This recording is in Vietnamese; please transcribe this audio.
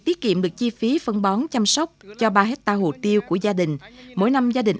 tiết kiệm được chi phí phân bón chăm sóc cho ba hectare hồ tiêu của gia đình mỗi năm gia đình